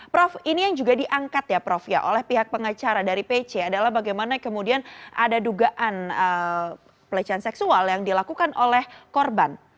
prof ini yang juga diangkat ya prof ya oleh pihak pengacara dari pc adalah bagaimana kemudian ada dugaan pelecehan seksual yang dilakukan oleh korban